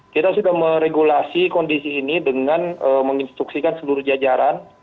kita sudah meregulasi kondisi ini dengan menginstruksikan seluruh jajaran